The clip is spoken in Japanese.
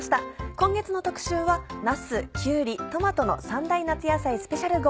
今月の特集はなすきゅうりトマトの三大夏野菜スペシャル号。